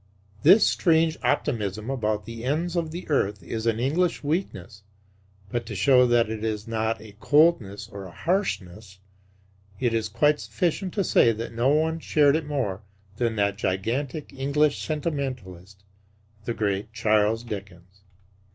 This strange optimism about the ends of the earth is an English weakness; but to show that it is not a coldness or a harshness it is quite sufficient to say that no one shared it more than that gigantic English sentimentalist the great Charles Dickens.